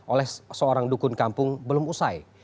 oleh seorang dukun kampung belum usai